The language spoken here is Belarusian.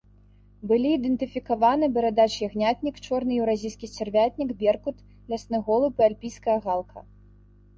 Былі ідэнтыфікаваны барадач-ягнятнік, чорны еўразійскі сцярвятнік, беркут, лясны голуб і альпійская галка.